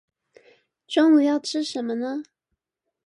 中午要吃甚麼呢？